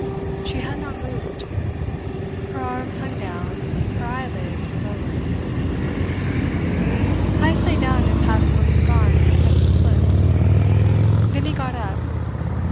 She had not moved. Her arms hung down; her eyelids were lowered. Heyst laid down his half smoked cigar and compressed his lips. Then he got up.